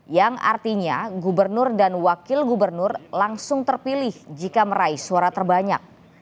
yang artinya gubernur dan wakil gubernur langsung terpilih jika meraih suara terbanyak